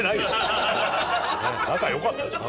仲良かったじゃない。